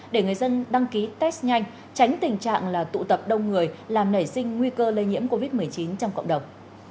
để người dân đăng ký test nhanh tránh tình trạng là tụ tập đông người làm nảy sinh nguy cơ lây nhiễm covid một mươi chín trong cộng đồng